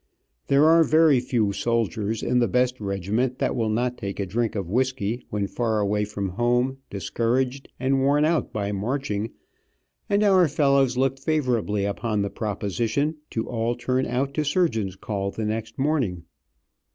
There are very few soldiers, in the best regiment, that will not take a drink of whisky when far away from home, discouraged, and worn out by marching, and our fellows looked favorably upon the proposition to all turn out to surgeon's call the next morning.